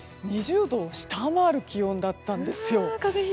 ２０度を下回る気温だったんですよ。